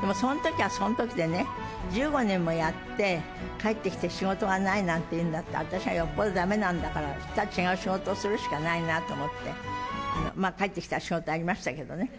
でもそのときはそのときでね、１５年もやって、帰ってきて仕事がないなんていうんだったら、私はよっぽどだめなんだから、そうしたら違う仕事するしかないなと思って、まあ、帰ってきたら仕事ありましたけどね。